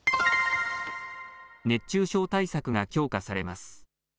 熱中症対策が強化されます。